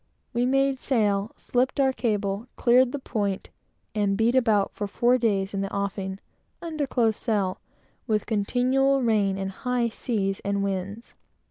We made sail, slipped our cable, cleared the point, and beat about, for four days, in the offing, under close sail, with continual rain and high seas and winds.